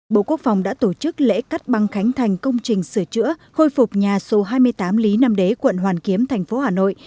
bộ quốc phòng đã tổ chức lễ cắt băng khánh thành công trình sửa chữa khôi phục nhà số hai mươi tám lý nam đế quận hoàn kiếm thành phố hà nội